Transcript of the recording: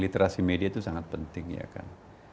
literasi media itu sangat penting ya kan